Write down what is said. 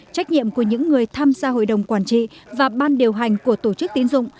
trách nhiệm của những người tham gia hội đồng quản trị và ban điều hành của tổ chức tín dụng